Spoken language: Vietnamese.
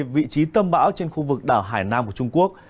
vị trí tâm bão trên khu vực đảo hải nam của trung quốc